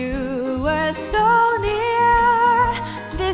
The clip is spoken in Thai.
สวัสดีวันนี้ใหม่เธอ